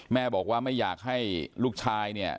แม่บอกว่าไม่อยากให้ลูกชายเนี่ย